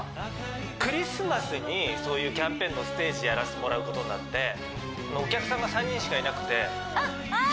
クリスマスにそういうキャンペーンのステージやらせてもらうことになってお客さんが３人しかいなくてあっああ